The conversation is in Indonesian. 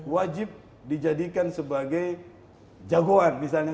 wajib dijadikan sebagai jagoan misalnya